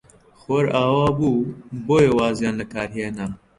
خۆر ئاوا بوو، بۆیە وازیان لە کار هێنا.